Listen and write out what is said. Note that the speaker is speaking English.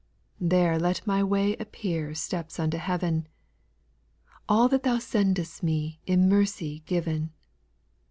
There let my way appear Steps unto heav'n, All that Thou sendest me In mercy giv'n.